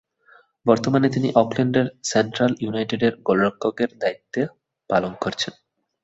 বর্তমানে তিনি অকল্যান্ডের সেন্ট্রাল ইউনাইটেডের গোলরক্ষকের দায়িত্ব পালন করছেন।